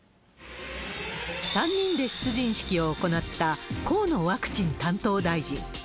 ３人で出陣式を行った、河野ワクチン担当大臣。